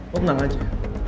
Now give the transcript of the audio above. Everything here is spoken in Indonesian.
lo tenang aja